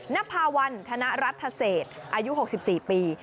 นภาวันธนรัฐเศษอายุ๖๔ปี